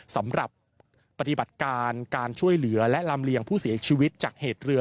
สำหรับปฏิบัติการการช่วยเหลือและลำเลียงผู้เสียชีวิตจากเหตุเรือ